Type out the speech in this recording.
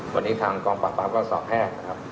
วันนี้ทางกองปราภาให้สอบแทรก